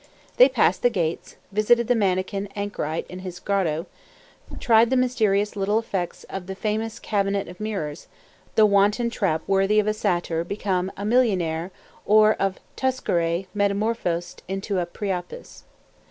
They passed the gates, visited the manikin anchorite in his grotto, tried the mysterious little effects of the famous cabinet of mirrors, the wanton trap worthy of a satyr become a millionaire or of Turcaret metamorphosed into a Priapus.